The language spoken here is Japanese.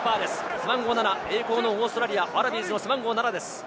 背番号７、栄光のオーストラリア、ワラビーズの背番号７です。